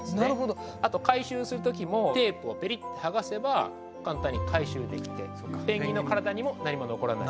あと回収する時もテープをペリッて剥がせば簡単に回収できてペンギンの体にも何も残らない。